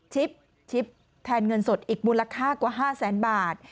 ชิปแทนเงินสดอีกมูลค่ากว่า๕แสนบาท